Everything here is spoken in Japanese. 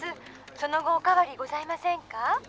「その後お変わりございませんか？」